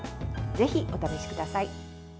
ぜひ、お試しください。